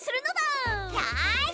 よし！